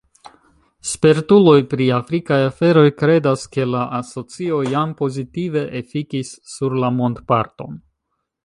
Spertuloj pri afrikaj aferoj kredas, ke la asocio jam pozitive efikis sur la mondparton.